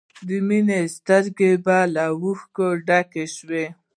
د مینې سترګې به له اوښکو ډکې شوې